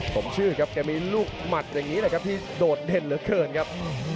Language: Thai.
สมชื่อแกมีลูกหมัดแล้วครับที่โดดเด่นเหลือเขินครับ